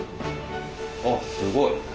あすごい。